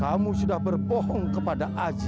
kamu sudah berbohong kepada aji